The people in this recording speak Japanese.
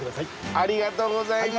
ありがとうございます。